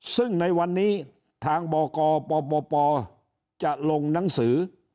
ซึ่งในวันนี้ทางบกปปจะลงหนังสือ